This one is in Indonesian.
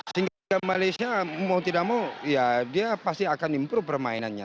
sehingga malaysia mau tidak mau ya dia pasti akan improve permainannya